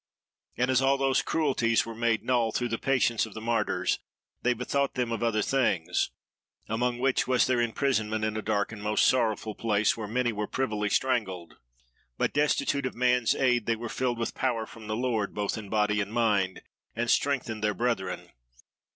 And as all those cruelties were made null through the patience of the Martyrs, they bethought them of other things; among which was their imprisonment in a dark and most sorrowful place, where many were privily strangled. But destitute of man's aid, they were filled with power from the Lord, both in body and mind, and strengthened their brethren.